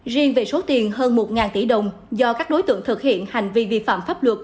riêng về số tiền hơn một tỷ đồng do các đối tượng thực hiện hành vi vi phạm pháp luật